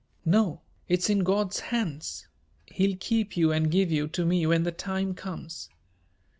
"No, it's in God's hands. He'll keep you and give you to me when the time comes.